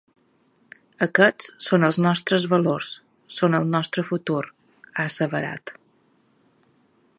“Aquests són els nostres valors, són el nostre futur”, ha asseverat.